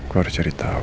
gue harus cari tahu